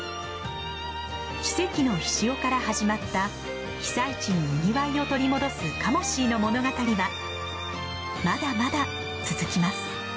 奇跡の醤から始まった被災地ににぎわいを取り戻すカモシーの物語はまだまだ続きます。